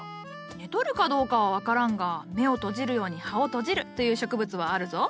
寝とるかどうかは分からんが目を閉じるように葉を閉じるという植物はあるぞ。